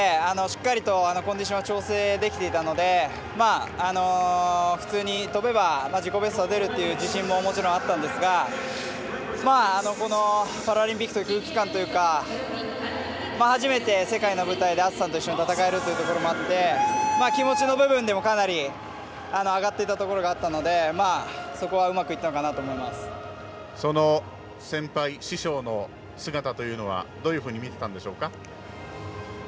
ここまでしっかりとコンディションは調整できていたので普通に跳べば自己ベストは出るという自身も、もちろんあったんですがこのパラリンピックという空気感というか初めて世界の舞台で篤さんと一緒に戦えるということで気持ちの部分でもかなり上がってた部分はあったのでそこはうまくいったのかなとその先輩、師匠の姿というのはどういうふうに見てたんでしょうか？